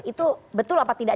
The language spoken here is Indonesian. itu betul apa tidak